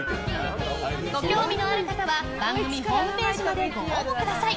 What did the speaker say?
ご興味のある方は番組ホームページまでご応募ください。